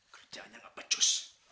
kerjaannya gak pecus